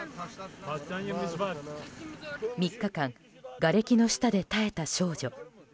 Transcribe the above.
３日間がれきの下で耐えた少女。